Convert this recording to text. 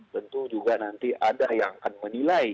tentu juga nanti ada yang akan menilai